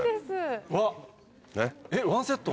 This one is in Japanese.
えっワンセット？